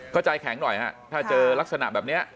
ใจแข็งหน่อยฮะถ้าเจอลักษณะแบบนี้